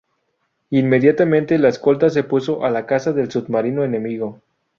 Inmediatamente la escolta se puso a la caza del submarino enemigo.